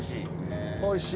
おいしい。